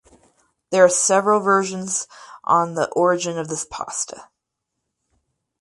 There are several versions on the origin of this pasta.